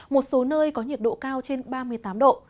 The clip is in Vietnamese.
một số nơi có nhiệt độ cao trên ba mươi tám độ